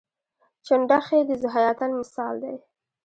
چنډخې د ذوحیاتین مثال دی